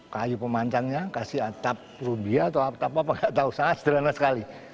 kayu pemancangnya kasih atap rubia atau apa apa nggak tahu sangat sederhana sekali